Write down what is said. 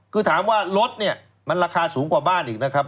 คือถามว่ารถเนี่ยมันราคาสูงกว่าบ้านอีกนะครับ